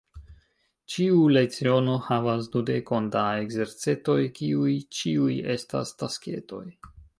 Ĉiu leciono havas dudekon da ekzercetoj, kiuj ĉiuj estas tasketoj.